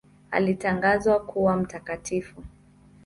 Alitangazwa kuwa mtakatifu.